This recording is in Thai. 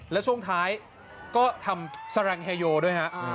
แล้วช่วงท้ายก็ทำแสลงเฮโยด้วยฮะ